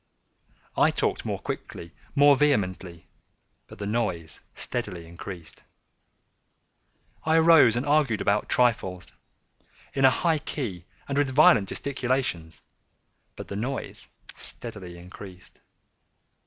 I talked more quickly—more vehemently; but the noise steadily increased. I arose and argued about trifles, in a high key and with violent gesticulations; but the noise steadily increased.